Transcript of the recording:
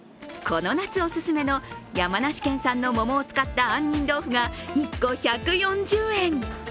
この夏オススメの山梨県産の桃を使った杏仁豆腐が１個１４０円。